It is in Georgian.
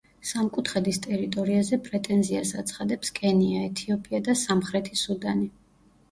სამკუთხედის ტერიტორიაზე პრეტენზიას აცხადებს კენია, ეთიოპია და სამხრეთი სუდანი.